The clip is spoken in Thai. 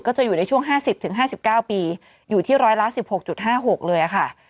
ก็จะอยู่ในช่วงห้าสิบถึงห้าสิบเก้าปีอยู่ที่ร้อยละสิบหกจุดห้าหกเลยอะค่ะ